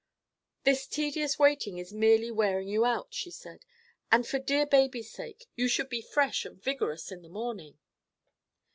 "This tedious waiting is merely wearing you out," she said, "and for dear baby's sake you should be fresh and vigorous in the morning."